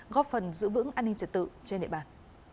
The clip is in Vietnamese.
góp phần giữ vững an ninh trật tự trên địa bàn